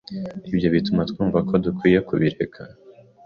Ibyo bituma twumva ko dukwiye kubireka.